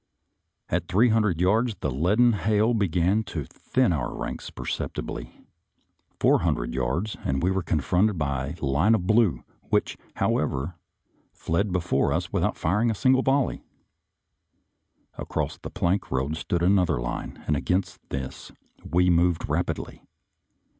At three hundred yards the leaden hail began to thin our ranks perceptibly; four hundred yards and we were confronted by a line of blue, which, how ever, fled before us without firing a single volley. Across the plank road stood another line, and against this we moved rapidly.